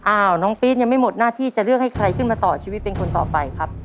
น้องปี๊ดยังไม่หมดหน้าที่จะเลือกให้ใครขึ้นมาต่อชีวิตเป็นคนต่อไปครับ